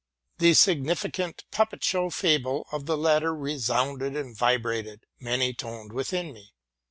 The signifi cant puppet show fable of the latter resounded and vibrated many toned within me.